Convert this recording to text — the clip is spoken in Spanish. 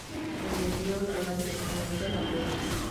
El desvío lleva directamente a la cueva.